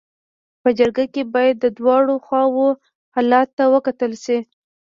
په جرګه کي باید د دواړو خواو حالت ته وکتل سي.